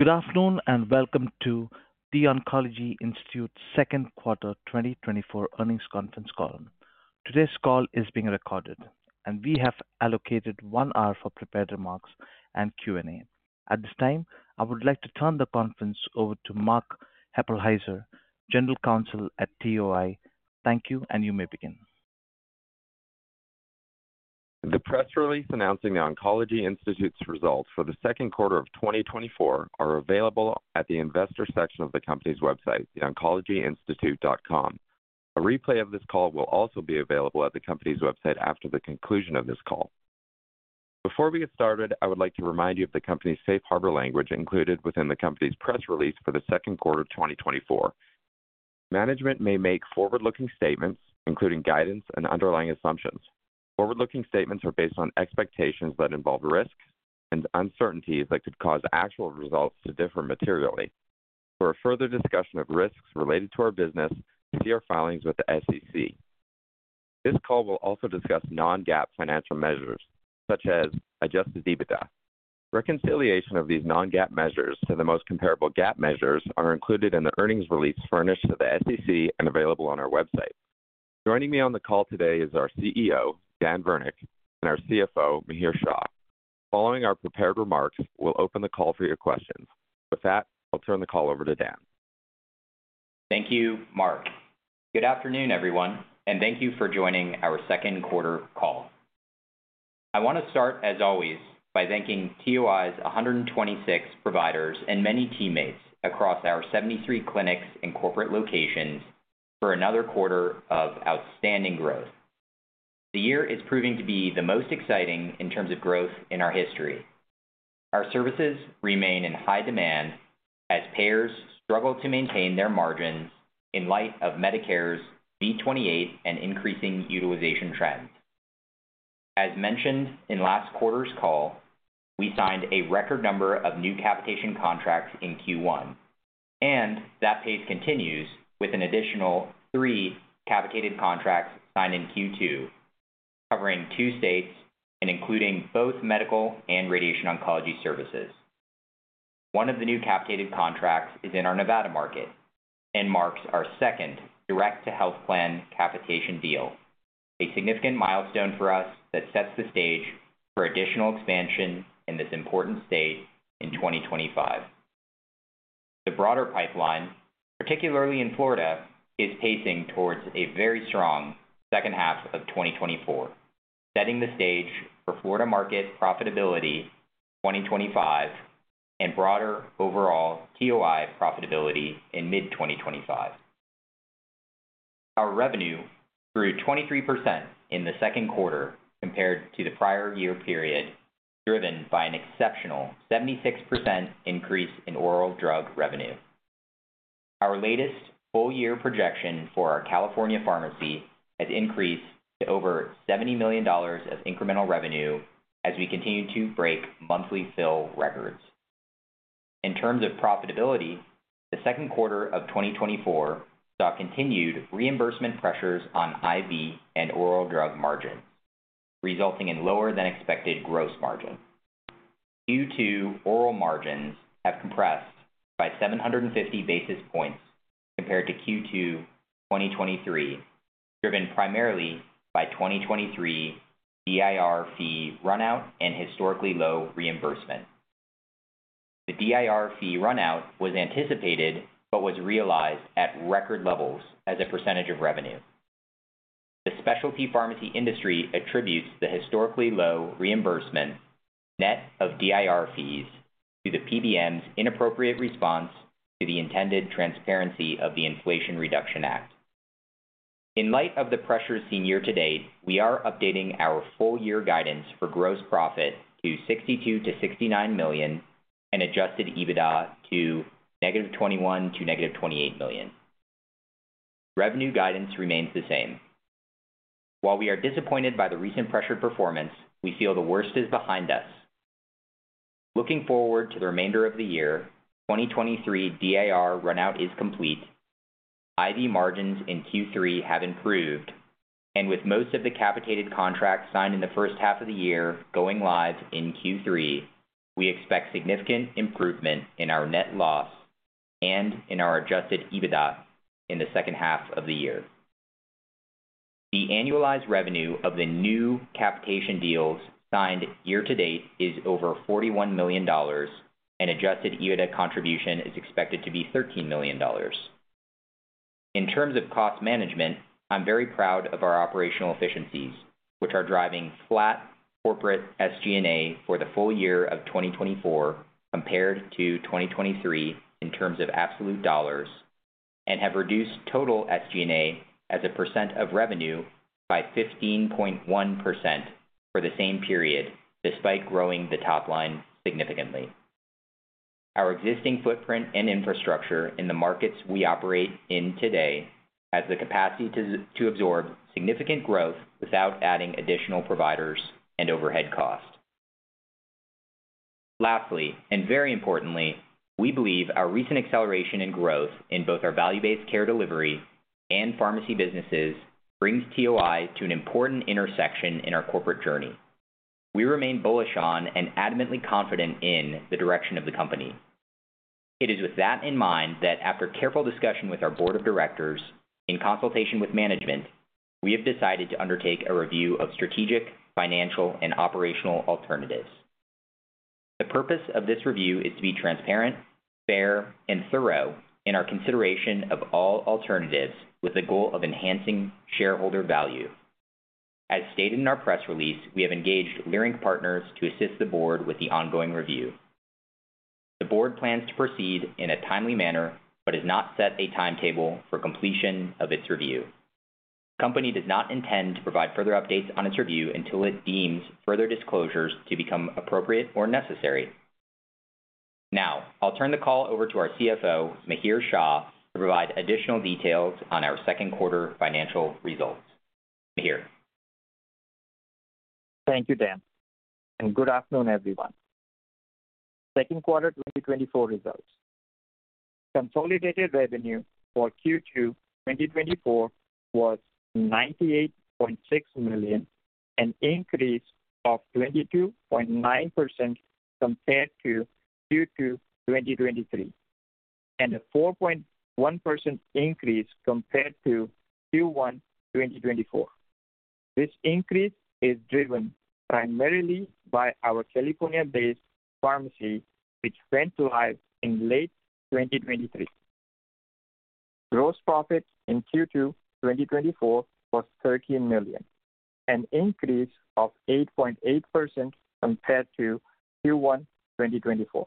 Good afternoon, and welcome to The Oncology Institute's second quarter 2024 earnings conference call. Today's call is being recorded, and we have allocated one hour for prepared remarks and Q&A. At this time, I would like to turn the conference over to Mark Hueppelsheuser, General Counsel at TOI. Thank you, and you may begin. The press release announcing The Oncology Institute's results for the second quarter of 2024 are available at the investor section of the company's website, theoncologyinstitute.com. A replay of this call will also be available at the company's website after the conclusion of this call. Before we get started, I would like to remind you of the company's Safe Harbor language included within the company's press release for the second quarter of 2024. Management may make forward-looking statements, including guidance and underlying assumptions. Forward-looking statements are based on expectations that involve risk and uncertainties that could cause actual results to differ materially. For a further discussion of risks related to our business, see our filings with the SEC. This call will also discuss non-GAAP financial measures, such as adjusted EBITDA. Reconciliation of these non-GAAP measures to the most comparable GAAP measures are included in the earnings release furnished to the SEC and available on our website. Joining me on the call today is our CEO, Dan Virnich, and our CFO, Mihir Shah. Following our prepared remarks, we'll open the call for your questions. With that, I'll turn the call over to Dan. Thank you, Mark. Good afternoon, everyone, and thank you for joining our second quarter call. I want to start, as always, by thanking TOI's 126 providers and many teammates across our 73 clinics and corporate locations for another quarter of outstanding growth. The year is proving to be the most exciting in terms of growth in our history. Our services remain in high demand as payers struggle to maintain their margins in light of Medicare V28 and increasing utilization trends. As mentioned in last quarter's call, we signed a record number of new capitation contracts in Q1, and that pace continues with an additional 3 capitated contracts signed in Q2, covering 2 states and including both medical and radiation oncology services. One of the new capitated contracts is in our Nevada market and marks our second direct-to-health plan capitation deal, a significant milestone for us that sets the stage for additional expansion in this important state in 2025. The broader pipeline, particularly in Florida, is pacing towards a very strong second half of 2024, setting the stage for Florida market profitability 2025 and broader overall TOI profitability in mid-2025. Our revenue grew 23% in the second quarter compared to the prior year period, driven by an exceptional 76% increase in oral drug revenue. Our latest full year projection for our California pharmacy has increased to over $70 million of incremental revenue as we continue to break monthly fill records. In terms of profitability, the second quarter of 2024 saw continued reimbursement pressures on IV and oral drug margin, resulting in lower than expected gross margin. Q2 oral margins have compressed by 750 basis points compared to Q2 2023, driven primarily by 2023 DIR fee runout and historically low reimbursement. The DIR fee runout was anticipated but was realized at record levels as a percentage of revenue. The specialty pharmacy industry attributes the historically low reimbursement net of DIR fees to the PBM's inappropriate response to the intended transparency of the Inflation Reduction Act. In light of the pressures seen year-to-date, we are updating our full year guidance for gross profit to $62 million-$69 million and Adjusted EBITDA to -$21 million-$28 million. Revenue guidance remains the same. While we are disappointed by the recent pressured performance, we feel the worst is behind us. Looking forward to the remainder of the year, 2023 DIR runout is complete, IV margins in Q3 have improved, and with most of the capitated contracts signed in the first half of the year going live in Q3, we expect significant improvement in our net loss and in our Adjusted EBITDA in the second half of the year. The annualized revenue of the new capitation deals signed year-to-date is over $41 million, and Adjusted EBITDA contribution is expected to be $13 million. In terms of cost management, I'm very proud of our operational efficiencies, which are driving flat corporate SG&A for the full year of 2024 compared to 2023 in terms of absolute dollars, and have reduced total SG&A as a percent of revenue by 15.1% for the same period, despite growing the top line significantly. Our existing footprint and infrastructure in the markets we operate in today has the capacity to absorb significant growth without adding additional providers and overhead costs. Lastly, and very importantly, we believe our recent acceleration in growth in both our value-based care delivery and pharmacy businesses brings TOI to an important intersection in our corporate journey.... We remain bullish on and adamantly confident in the direction of the company. It is with that in mind that after careful discussion with our board of directors, in consultation with management, we have decided to undertake a review of strategic, financial, and operational alternatives. The purpose of this review is to be transparent, fair and thorough in our consideration of all alternatives, with the goal of enhancing shareholder value. As stated in our press release, we have engaged Leerink Partners to assist the board with the ongoing review. The board plans to proceed in a timely manner, but has not set a timetable for completion of its review. The company does not intend to provide further updates on its review until it deems further disclosures to become appropriate or necessary. Now, I'll turn the call over to our CFO, Mihir Shah, to provide additional details on our second quarter financial results. Mihir? Thank you, Dan, and good afternoon, everyone. Second quarter 2024 results. Consolidated revenue for Q2 2024 was $98.6 million, an increase of 22.9% compared to Q2 2023, and a 4.1% increase compared to Q1 2024. This increase is driven primarily by our California-based pharmacy, which went live in late 2023. Gross profit in Q2 2024 was $13 million, an increase of 8.8% compared to Q1 2024.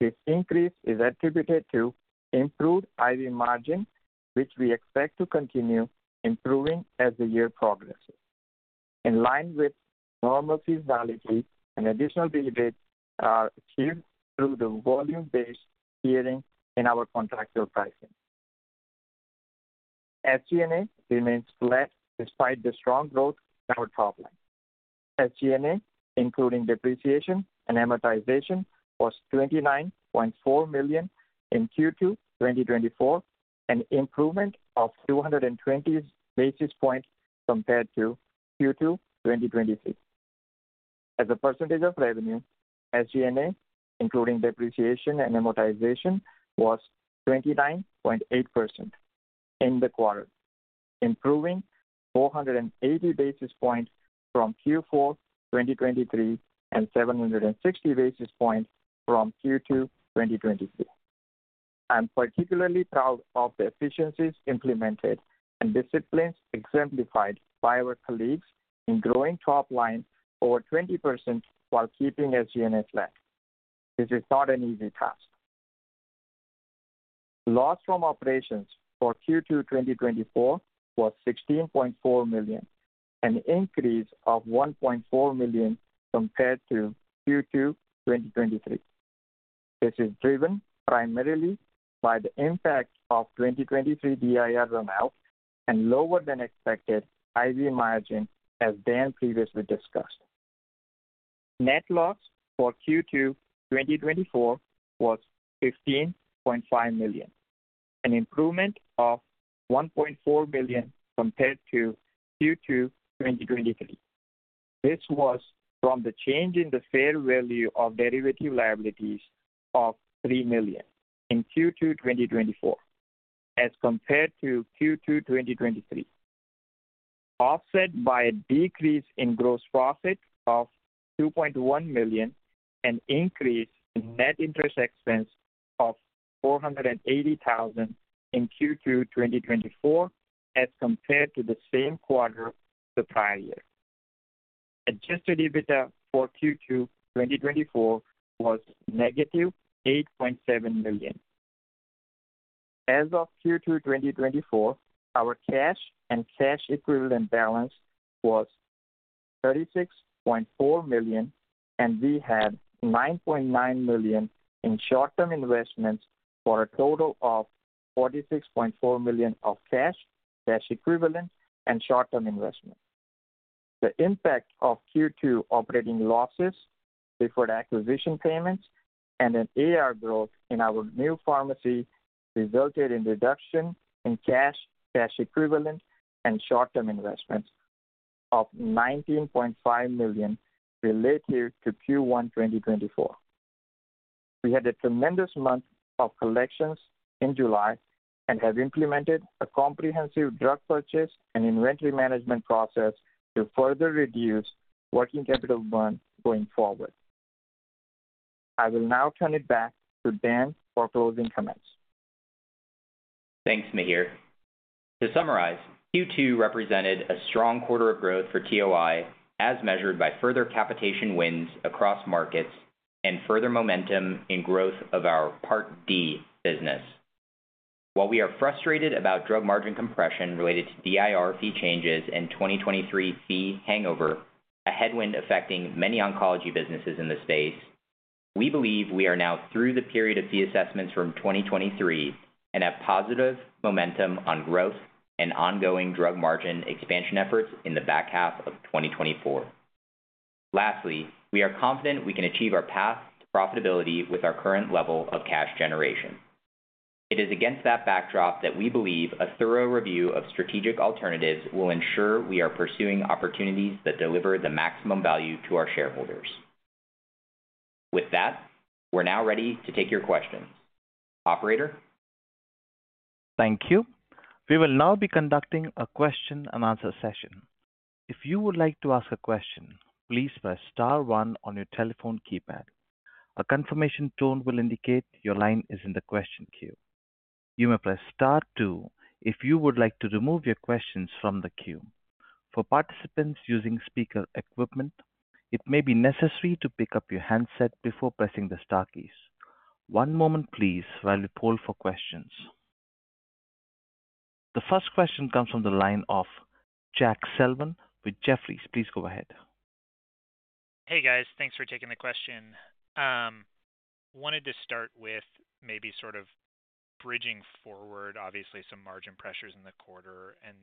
This increase is attributed to improved IV margin, which we expect to continue improving as the year progresses. In line with normal seasonality, an additional benefits are achieved through the volume-based tiering in our contractual pricing. SG&A remains flat despite the strong growth in our top line. SG&A, including depreciation and amortization, was $29.4 million in Q2 2024, an improvement of 220 basis points compared to Q2 2023. As a percentage of revenue, SG&A, including depreciation and amortization, was 29.8% in the quarter, improving 480 basis points from Q4 2023, and 760 basis points from Q2 2022. I'm particularly proud of the efficiencies implemented and disciplines exemplified by our colleagues in growing top line over 20% while keeping SG&A flat. This is not an easy task. Loss from operations for Q2 2024 was $16.4 million, an increase of $1.4 million compared to Q2 2023. This is driven primarily by the impact of 2023 DIR runoff and lower than expected IV margin, as Dan previously discussed. Net loss for Q2 2024 was $15.5 million, an improvement of $1.4 million compared to Q2 2023. This was from the change in the fair value of derivative liabilities of $3 million in Q2 2024 as compared to Q2 2023, offset by a decrease in gross profit of $2.1 million, an increase in net interest expense of $480,000 in Q2 2024 as compared to the same quarter the prior year. Adjusted EBITDA for Q2 2024 was -$8.7 million. As of Q2 2024, our cash and cash equivalent balance was $36.4 million, and we had $9.9 million in short-term investments, for a total of $46.4 million of cash, cash equivalents, and short-term investments. The impact of Q2 operating losses before the acquisition payments and an AR growth in our new pharmacy resulted in reduction in cash, cash equivalents, and short-term investments of $19.5 million related to Q1 2024. We had a tremendous month of collections in July and have implemented a comprehensive drug purchase and inventory management process to further reduce working capital burn going forward. I will now turn it back to Dan for closing comments. Thanks, Mihir. To summarize, Q2 represented a strong quarter of growth for TOI, as measured by further capitation wins across markets and further momentum in growth of our Part D business. While we are frustrated about drug margin compression related to DIR Fees changes and 2023 fee hangover, a headwind affecting many oncology businesses in the space, we believe we are now through the period of fee assessments from 2023, and have positive momentum on growth and ongoing drug margin expansion efforts in the back half of 2024. Lastly, we are confident we can achieve our path to profitability with our current level of cash generation. It is against that backdrop that we believe a thorough review of strategic alternatives will ensure we are pursuing opportunities that deliver the maximum value to our shareholders. With that, we're now ready to take your questions. Operator? Thank you. We will now be conducting a question-and-answer session. If you would like to ask a question, please press star one on your telephone keypad. A confirmation tone will indicate your line is in the question queue. You may press star two if you would like to remove your questions from the queue. For participants using speaker equipment, it may be necessary to pick up your handset before pressing the star keys. One moment please, while we poll for questions. The first question comes from the line of Jack Slevin with Jefferies. Please go ahead. Hey, guys. Thanks for taking the question. Wanted to start with maybe sort of bridging forward, obviously, some margin pressures in the quarter and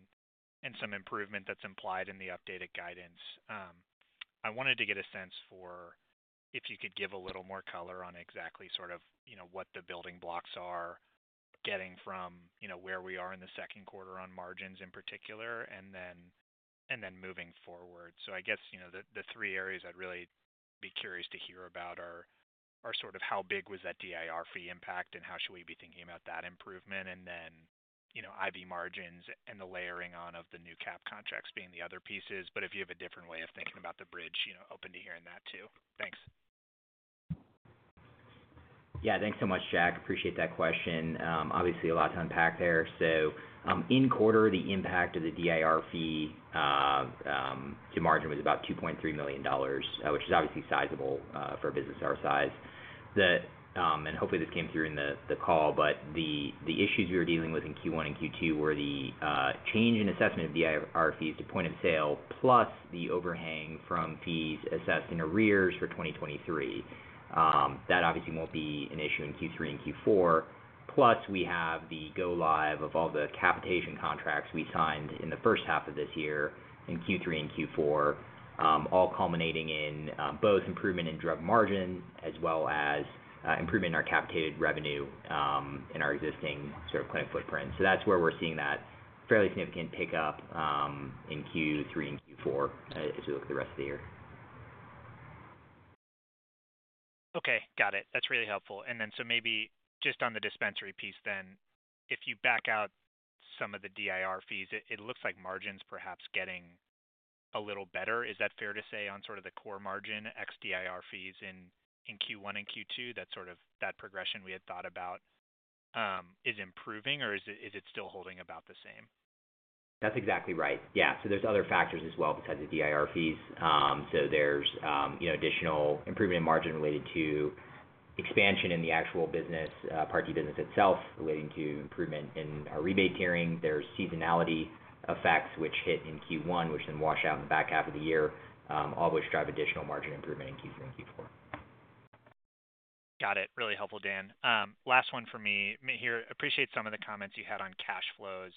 some improvement that's implied in the updated guidance. I wanted to get a sense for if you could give a little more color on exactly sort of, you know, what the building blocks are getting from, you know, where we are in the second quarter on margins in particular, and then moving forward. So I guess, you know, the three areas I'd really be curious to hear about are sort of how big was that DIR fee impact and how should we be thinking about that improvement? And then, you know, IV margins and the layering on of the new cap contracts being the other pieces. But if you have a different way of thinking about the bridge, you know, open to hearing that too. Thanks. Yeah, thanks so much, Jack. Appreciate that question. Obviously a lot to unpack there. So, in quarter, the impact of the DIR fee to margin was about $2.3 million, which is obviously sizable for a business our size. And hopefully, this came through in the call, but the issues we were dealing with in Q1 and Q2 were the change in assessment of DIR fees to point of sale, plus the overhang from fees assessed in arrears for 2023. That obviously won't be an issue in Q3 and Q4, plus we have the go-live of all the capitation contracts we signed in the first half of this year, in Q3 and Q4, all culminating in both improvement in drug margin as well as improvement in our capitated revenue, in our existing sort of clinic footprint. So that's where we're seeing that fairly significant pickup in Q3 and Q4, as we look at the rest of the year. Okay, got it. That's really helpful. And then, so maybe just on the dispensary piece, then, if you back out some of the DIR fees, it, it looks like margins perhaps getting a little better. Is that fair to say, on sort of the core margin, ex-DIR fees in, in Q1 and Q2, that's sort of, that progression we had thought about, is improving, or is it, is it still holding about the same? That's exactly right. Yeah. So there's other factors as well, besides the DIR Fees. So there's, you know, additional improvement in margin related to expansion in the actual business, Part D business itself, relating to improvement in our rebate tiering. There's seasonality effects, which hit in Q1, which then wash out in the back half of the year, all which drive additional margin improvement in Q3 and Q4. Got it. Really helpful, Dan. Last one for me here. Appreciate some of the comments you had on cash flows.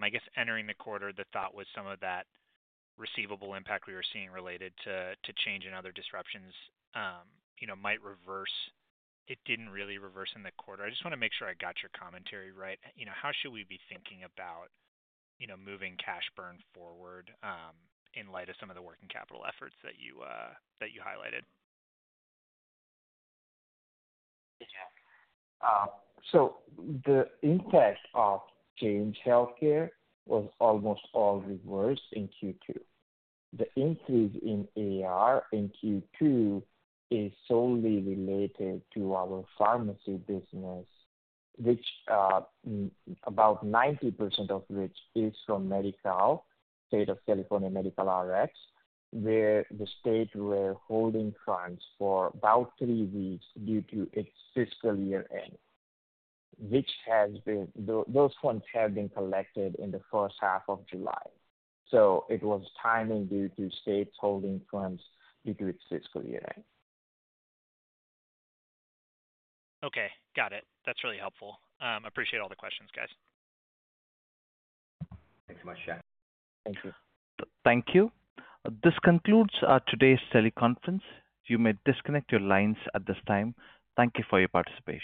I guess entering the quarter, the thought was some of that receivable impact we were seeing related to Change and other disruptions, you know, might reverse. It didn't really reverse in the quarter. I just want to make sure I got your commentary right. You know, how should we be thinking about, you know, moving cash burn forward, in light of some of the working capital efforts that you highlighted? Yeah. So the impact of Change Healthcare was almost all reversed in Q2. The increase in AR in Q2 is solely related to our pharmacy business, which, about 90% of which is from Medi-Cal Rx, State of California, where the state were holding funds for about three weeks due to its fiscal year-end, which has been... those funds have been collected in the first half of July. So it was timing due to states holding funds due to its fiscal year-end. Okay, got it. That's really helpful. Appreciate all the questions, guys. Thanks so much, Jack. Thank you. Thank you. This concludes today's teleconference. You may disconnect your lines at this time. Thank you for your participation.